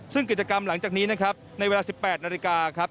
ซึ่งกิจกรรมหลังจากนี้นะครับในเวลา๑๘นาฬิกาครับ